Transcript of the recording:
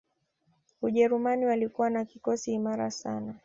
Ujerumani walikuwa na kikosi imara sana